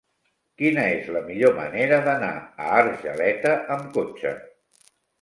Quina és la millor manera d'anar a Argeleta amb cotxe?